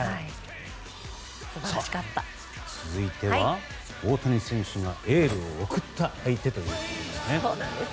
続いては大谷選手がエールを送った相手ということですね。